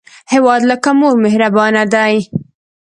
هیواد لکه مور مهربانه دی